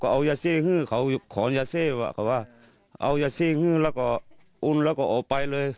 เอายังสืบของพวกเราไปออกไปเลย